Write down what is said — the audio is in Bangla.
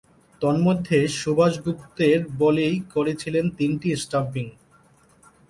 তন্মধ্যে সুভাষ গুপ্তের বলেই করেছিলেন তিনটি স্ট্যাম্পিং।